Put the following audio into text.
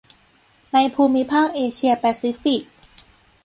ในภูมิภาคเอเชียแปซิฟิก